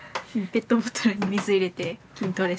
ペットボトルに水入れて筋トレ？